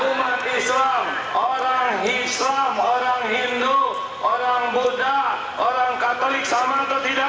umat islam orang islam orang hindu orang buddha orang katolik sama atau tidak